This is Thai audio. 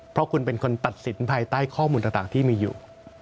เพราะคุณเป็นคนตัดสินภายใต้ข้อมูลต่างที่มีอยู่